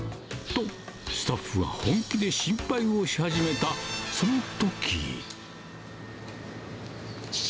と、スタッフは本気で心配をし始めたそのとき。